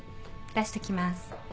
出しときます。